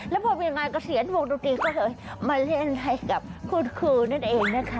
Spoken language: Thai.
แล้วพอมีงานเกษียณวงดนตรีก็เลยมาเล่นให้กับคุณครูนั่นเองนะคะ